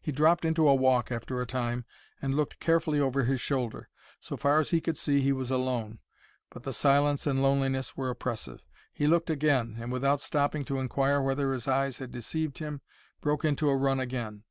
He dropped into a walk after a time and looked carefully over his shoulder. So far as he could see he was alone, but the silence and loneliness were oppressive. He looked again, and, without stopping to inquire whether his eyes had deceived him, broke into a run again.